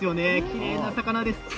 きれいな魚です。